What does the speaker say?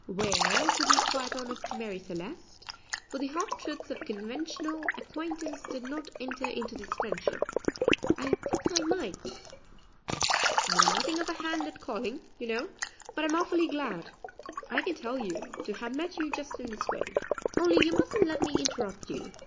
"Well, to be quite honest, Marie Celeste," for the half truths of conventional acquaintance did not enter into this friendship, "I think I might; I'm nothing of a hand at calling, you know, but I'm awfully glad, I can tell you, to have met you just in this way, only you mustn't let me interrupt you.